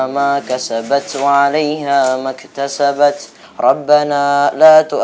maksudku berharga untuk probability